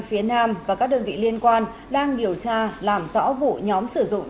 phía nam và các đơn vị liên quan đang điều tra làm rõ vụ nhóm sử dụng